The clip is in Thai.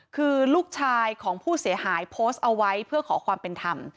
คือลูกชายของผู้เสียหายโพสต์เอาไว้เพื่อขอความเป็นธรรม